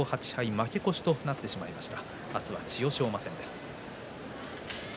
負け越しとなってしまいました。